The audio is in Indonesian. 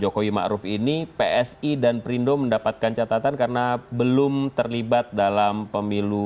jokowi ma'ruf ini psi dan perindo mendapatkan catatan karena belum terlibat dalam pemilu dua ribu empat belas